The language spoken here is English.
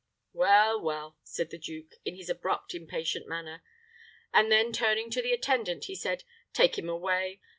"Well, well," said the duke, in his abrupt, impatient manner; and then turning to the attendant, he said, "Take him away.